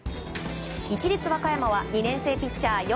市立和歌山は２年生ピッチャー